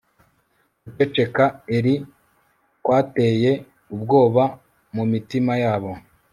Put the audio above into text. guceceka eerie kwateye ubwoba mumitima yabo